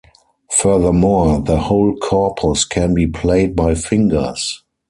Furthermore, the whole corpus can be played by fingers.